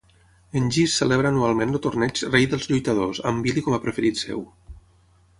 En Geese celebra anualment el torneig "Rei dels lluitadors" amb en Billy com a preferit seu.